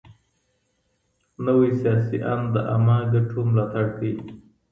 نوی سياسي آند د عامه ګټو ملاتړ کوي.